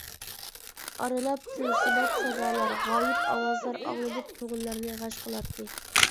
ئارىلاپ تىلسىمات سادالار، غايىب ئاۋازلار ئاڭلىنىپ كۆڭۈللەرنى غەش قىلاتتى.